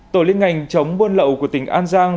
tổ liên ngành chống buôn lậu của tỉnh an giang